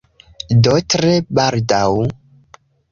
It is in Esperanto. Do, tre baldaŭ